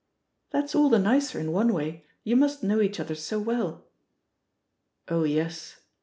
"That's all the nicer in one way — ^you must know each other so well." "Oh yes."